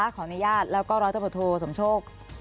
ขออนุญาตแล้วก็รับทรัพย์โทรสมโชค